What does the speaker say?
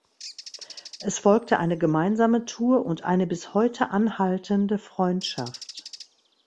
Es folgte eine gemeinsame Tour und eine bis heute anhaltende Freundschaft.